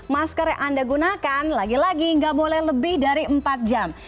masker yang anda gunakan lagi lagi nggak boleh lebih dari empat jam